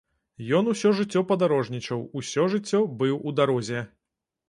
Ён усё жыццё падарожнічаў, усё жыццё быў у дарозе.